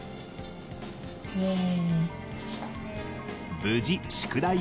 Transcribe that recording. イエーイ。